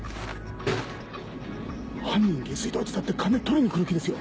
犯人下水道伝って金取りに来る気ですよ！